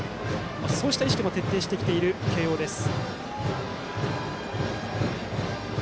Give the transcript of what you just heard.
そうした意識も徹底してきている慶応です。